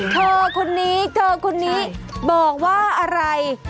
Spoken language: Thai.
เธอคนนี้เธอคนนี้บอกว่าอะไร